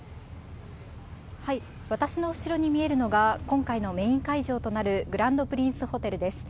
私の後ろに見えるのが、今回のメイン会場となるグランドプリンスホテルです。